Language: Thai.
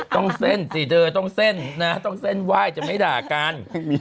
ต้องเส้นสิเธอต้องเส้นนะต้องเส้นไหว้จะไม่ด่ากัน